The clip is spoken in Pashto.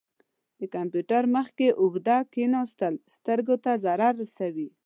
د کمپیوټر مخ کې اوږده کښیناستل سترګو ته ضرر رسوي.